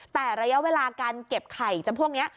แต่ระยะเวลาการเก็บไข่จำพวกนี้